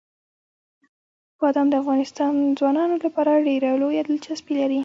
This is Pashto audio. بادام د افغان ځوانانو لپاره ډېره لویه دلچسپي لري.